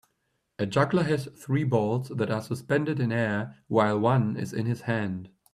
A juggler has three balls that are suspended in air while one is in his hand.